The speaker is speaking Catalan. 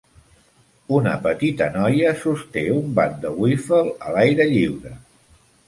Una petita noia sosté un bat de wiffle a l'aire lliure.